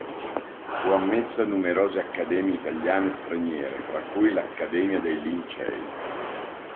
Fu ammesso a numerose accademie italiane e straniere, fra cui l'Accademia dei Lincei.